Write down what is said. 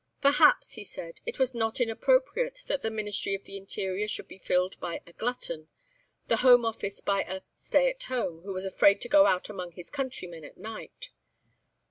Perhaps, he said, it was not inappropriate that the Ministry of the Interior should be filled by "a glutton," the Home Office by a "stay at home" who was afraid to go out among his countrymen at night.